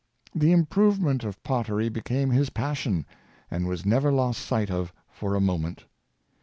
The improvement of pottery became his passion, and was never lost sight of for a moment.